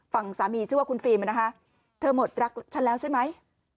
ฝั่งสามีชื่อว่าคุณฟิล์มนะคะเธอหมดรักฉันแล้วใช่ไหม